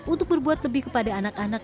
untuk berbuat lebih kepada anak anak